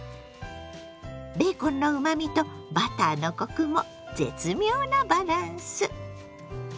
ベーコンのうまみとバターのコクも絶妙なバランス！